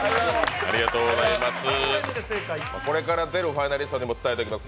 これから出るファイナリストにも伝えておきます。